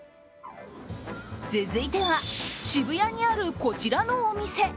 続いては、渋谷にあるこちらのお店。